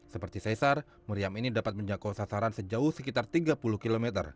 seperti sesar meriam ini dapat menjangkau sasaran sejauh sekitar tiga puluh km